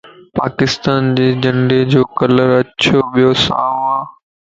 پاڪستان جي جنڊي جو ڪلر اڇو ٻيو سائو ا